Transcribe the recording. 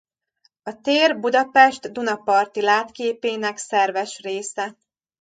A tér Budapest Duna-parti látképének szerves része.